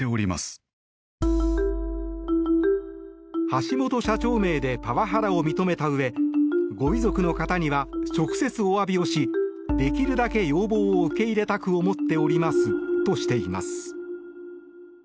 橋本社長名でパワハラを認めたうえご遺族の方には直接お詫びをしできるだけ要望を受け入れたく思っておりますとしています。